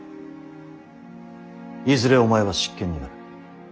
いずれお前は執権になる。